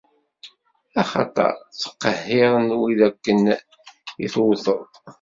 Axaṭer, ttqehhiren win akken i d-tewteḍ.